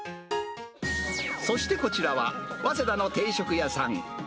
そしてこちらは、早稲田の定食屋さん。